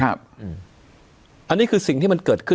อันนี้คือสิ่งที่มันเกิดขึ้น